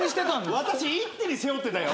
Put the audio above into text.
私一手に背負ってたよ。